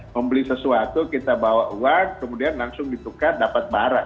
membeli sesuatu kita bawa uang kemudian langsung ditukar dapat barang